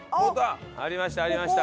ありましたありました。